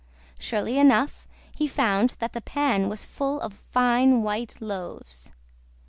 Surely enough, he found that the pan was full of fine white loaves.